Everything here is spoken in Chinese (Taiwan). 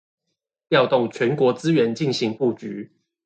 調動全國資源進行布局